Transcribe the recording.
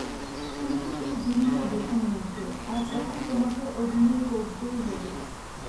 তুমিই এই ভূমিকা বেছে নিয়েছো, আর এখন তোমাকে অভিনয় করতেই হবে।